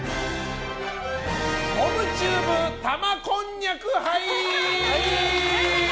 ゴムチューブ玉こんにゃく杯！